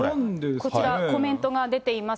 こちらコメント出ています。